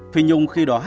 phi nhung khi đó